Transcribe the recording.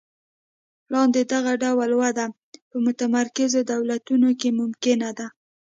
لاندې دغه ډول وده په متمرکزو دولتونو کې ممکنه ده.